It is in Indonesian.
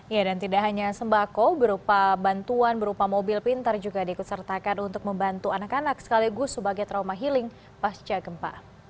ya dan tidak hanya sembako berupa bantuan berupa mobil pintar juga diikut sertakan untuk membantu anak anak sekaligus sebagai trauma healing pasca gempa